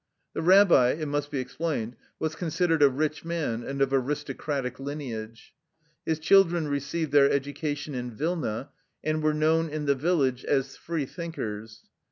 The rabbi, it must be explained, was considered a rich man and of aristocratic lineage. His children received their education in Vilna, and were known in the village as " free thinkers."